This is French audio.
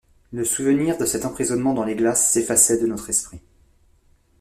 Le souvenir de cet emprisonnement dans les glaces s’effaçait de notre esprit.